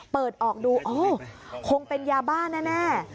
เปิดออกดูอ๋อคงเป็นยาบ้าแน่